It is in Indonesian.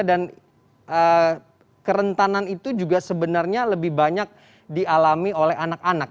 dan kerentanan itu juga sebenarnya lebih banyak dialami oleh anak anak